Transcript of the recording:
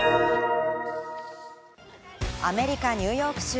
アメリカ・ニューヨーク州。